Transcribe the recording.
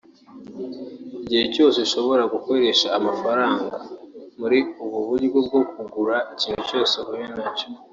Igihe cyose ushobora gukoresha amafaranga muri ubu buryo bwo kugura ikintu cyose uhuye nacyo